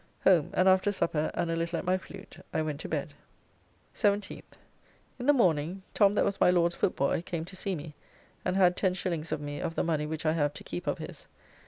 Home, and after supper, and a little at my flute, I went to bed. 17th. In the morning Tom that was my Lord's footboy came to see me and had 10s. of me of the money which I have to keep of his.